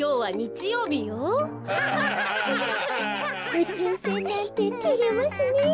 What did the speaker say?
うちゅうせんなんててれますねえ。